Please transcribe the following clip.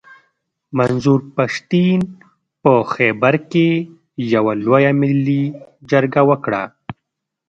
منظور پښتين په خېبر کښي يوه لويه ملي جرګه وکړه.